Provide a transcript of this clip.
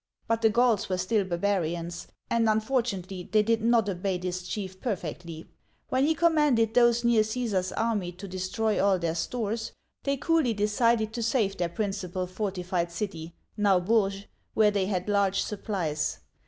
But the Gauls were still barbarians, and unfortunately they did not obey this chief perfectly. When he com manded those near Caesar's army to destroy all their stores, they coolly decided to save their principal fortified city (now Bourges), where they had large supplies.